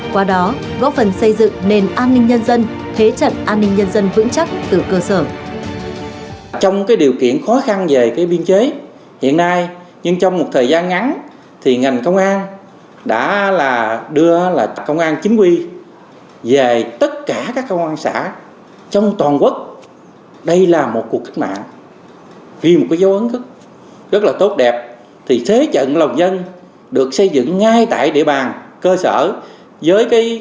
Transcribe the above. qua đó góp phần xây dựng nền an ninh nhân dân thế trận an ninh nhân dân vững chắc từ cơ sở